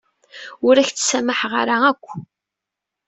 Ur ak-ttsamaḥeɣ ara akk.